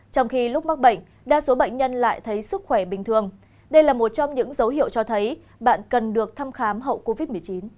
trong khi lúc mắc bệnh đa số bệnh nhân lại thấy sức khỏe bình thường đây là một trong những dấu hiệu cho thấy bạn cần được thăm khám hậu covid một mươi chín